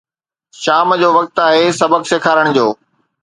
شام جو وقت آهي سبق سيکارڻ جو